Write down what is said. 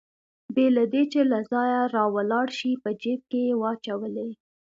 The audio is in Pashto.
بې له دې چې له ځایه راولاړ شي په جېب کې يې واچولې.